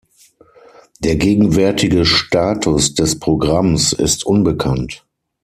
Der gegenwärtige Status des Programms ist unbekannt.